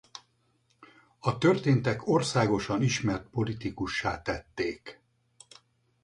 A történtek országosan ismert politikussá tették.